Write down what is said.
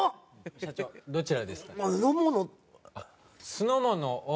社長どちらですか？